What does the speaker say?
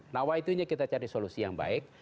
nawaitunya kita cari solusi yang baik